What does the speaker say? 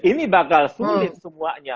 ini bakal sulit semuanya